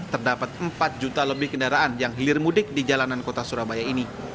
terdapat empat juta lebih kendaraan yang hilir mudik di jalanan kota surabaya ini